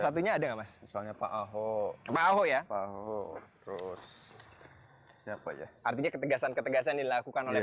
satunya ada mas soalnya pak ho pak ho ya pak ho terus artinya ketegasan ketegasan dilakukan oleh